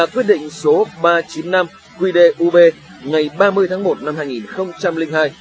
quyết định số ba trăm chín mươi năm quy đê ub ngày ba mươi tháng một năm hai nghìn hai